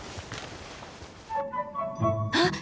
あ！